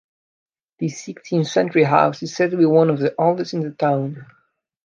This sixteenth-century house is said to be one of the oldest in the town.